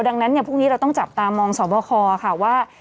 ดังนั้นเนี่ยพรุ่งนี้เราต้องจับตามองสอบคอค่ะว่า